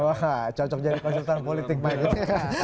wah cocok jadi konsultan politik mike